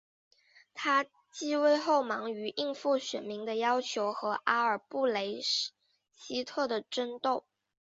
他即位后忙于应付选民的要求和阿尔布雷希特的争斗。